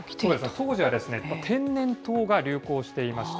当時は天然痘が流行していました。